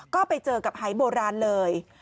ก็ไปเจอกับหายโบราณเลย